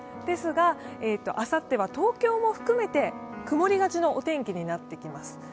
ですがあさっては東京も含めて曇りがちのお天気になってきます。